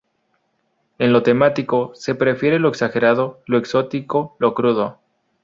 En lo temático, se prefiere lo exagerado, lo exótico, lo crudo.